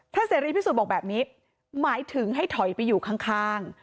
เสรีพิสุทธิ์บอกแบบนี้หมายถึงให้ถอยไปอยู่ข้าง